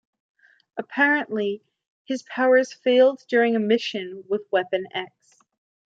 Apparently, his powers failed during a mission with Weapon X.